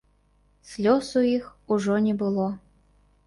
Слёз у іх ужо не было.